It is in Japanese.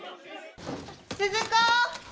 ・鈴子！